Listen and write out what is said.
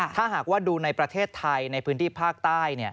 ถ้าหากว่าดูในประเทศไทยในพื้นที่ภาคใต้